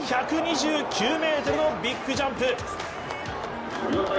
１２９ｍのビッグジャンプ。